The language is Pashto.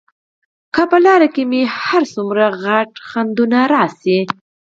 که په لار کې مې هر څومره ستر خنډونه راشي.